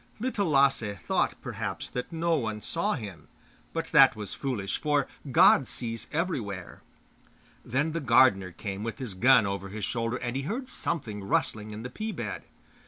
Little Lasse thought, perhaps, that no one saw him; but that was foolish, for God sees everywhere. Then the gardener came with his gun over his shoulder, and he heard something rustling in the pea bed.